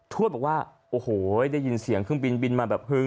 ทวดบอกว่าโอ้โหเดี๋ยวยินเสียงขึ้นบินบินมาแบบ